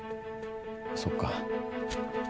そっか。